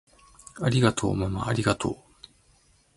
ありがとうままありがとう！